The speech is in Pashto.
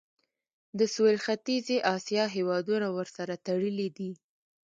د سویل ختیځې اسیا هیوادونه ورسره تړلي دي.